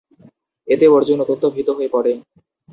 এতে অর্জুন অত্যন্ত ভীত হয়ে পড়ে।